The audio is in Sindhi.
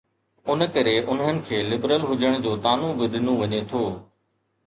ان ڪري انهن کي لبرل هجڻ جو طعنو به ڏنو وڃي ٿو.